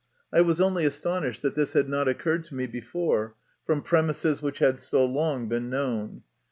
I was only astonished that this had not occurred to me before, from premises which had so long been known.